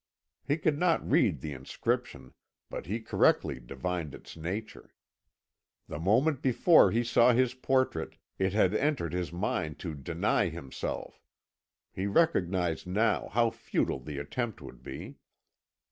He could not read the inscription, but he correctly divined its nature. The moment before he saw his portrait, it had entered his mind to deny himself; he recognised now how futile the attempt would be.